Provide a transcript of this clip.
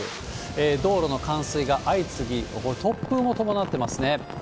道路の冠水が相次ぎ、これ、突風も伴ってますね。